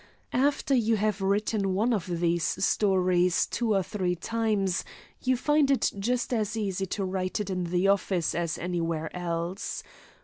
After you have written one of these stories two or three times, you find it just as easy to write it in the office as anywhere else.